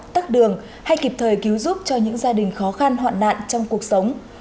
tắt đường hay kịp thời cứu giúp cho những gia đình khó khăn hoạn nạn trong cuộc sống